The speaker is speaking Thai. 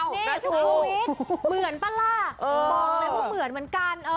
นี่ชุวิตเหมือนป่ะล่ะบอกเลยว่าเหมือนเหมือนกัน